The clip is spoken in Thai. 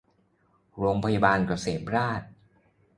โรงพยาบาลเกษมราษฎร์